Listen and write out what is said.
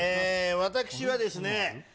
私はですね